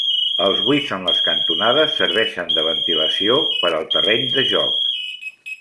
Els buits en les cantonades serveixen de ventilació per al terreny de joc.